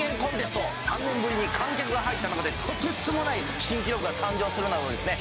３年ぶりに観客が入った中でとてつもない新記録が誕生するなどですね